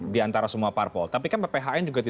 di antara semua parpol tapi kan pphn juga